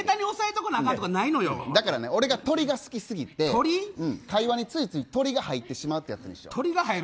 だから俺が鳥が好きすぎて会話についつい鳥が入ってしまうってやつにしよう。